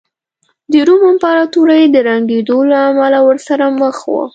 د روم امپراتورۍ د ړنګېدو له امله ورسره مخ وه